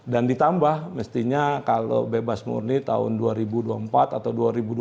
dan ditambah mestinya kalau bebas murni tahun dua ribu dua puluh empat atau dua ribu dua puluh lima